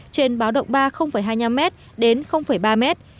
trên báo động ba hai mươi năm m đến ba mét